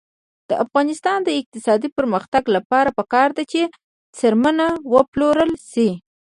د افغانستان د اقتصادي پرمختګ لپاره پکار ده چې څرمن وپلورل شي.